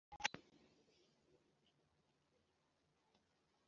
yifatanyije na mibambwe i mu kwica mashira.